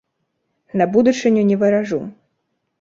На будучыню не варажу.